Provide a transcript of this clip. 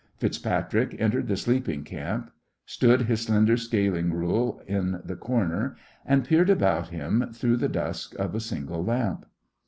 FitzPatrick entered the sleeping camp, stood his slender scaling rule in the corner, and peered about him through the dusk of a single lamp.